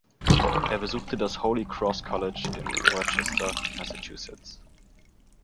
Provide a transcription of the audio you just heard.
Er besuchte das „Holy Cross College“ in Worcester, Massachusetts.